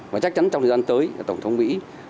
và chắc chắn trong thời gian tới tổng thống mỹ